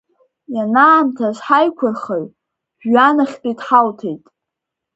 Ианаамҭаз ҳаиқәырхаҩ жәҩанахьтәи дҳауҭеит.